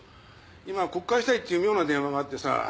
今告解したいっていう妙な電話があってさぁ。